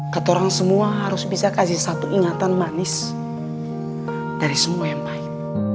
kata orang semua harus bisa kasih satu ingatan manis dari semua yang lain